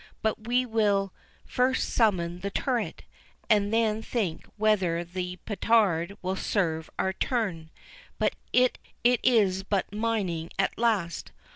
But we will first summon the turret, and then think whether the petard will serve our turn—it is but mining at last.